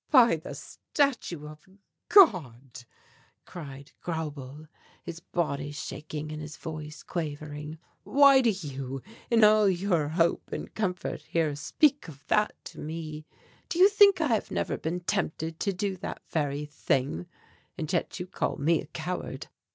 "By the Statue of God!" cried Grauble, his body shaking and his voice quavering, "why do you, in all your hope and comfort here, speak of that to me? Do you think I have never been tempted to do that very thing? And yet you call me a coward.